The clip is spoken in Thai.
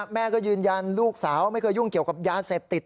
แม่ก็ยืนยันลูกสาวไม่เคยยุ่งเกี่ยวกับยาเสพติด